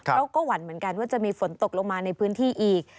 หวั่นเหมือนกันว่าจะมีฝนตกลงมาในพื้นที่อีก